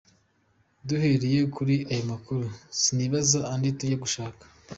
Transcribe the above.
duhereye kuri aya makuru, sinibaza andi twajya gushaka.